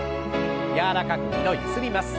柔らかく２度ゆすります。